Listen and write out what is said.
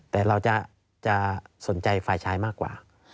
แต่เราจะสนใจฝ่ายชายมากกว่า